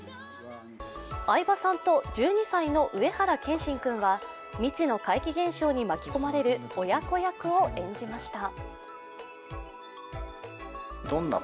相葉さんと１２歳の上原剣心君は未知の怪奇現象に巻き込まれる親子役を演じました。